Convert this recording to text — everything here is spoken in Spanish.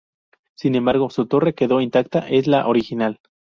Sin embargo, su torre quedó intacta, es la original—.